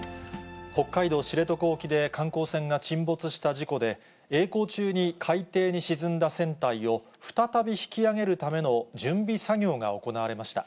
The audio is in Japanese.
北海道知床沖で観光船が沈没した事故で、えい航中に海底に沈んだ船体を、再び引き揚げるための準備作業が行われました。